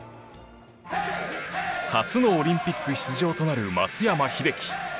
初のオリンピック出場となる松山英樹。